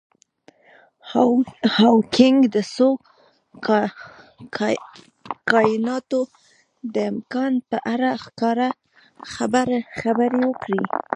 هاوکېنګ د څو کایناتونو د امکان په اړه ښکاره خبرې وکړي.